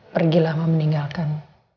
pergi lama meninggalkan